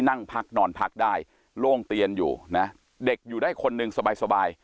นั่งพักนอนพักได้โล่งเตียนอยู่นะเด็กอยู่ได้คนหนึ่งสบาย